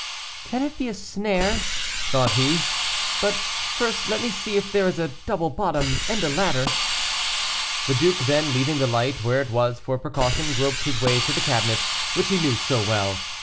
"Can it be a snare?" thought he; "but first let me see if there is a double bottom and a ladder." The duke then, leaving the light where it was for precaution, groped his way to the cabinet, which he knew so well.